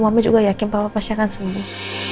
mama juga yakin bahwa pasti akan sembuh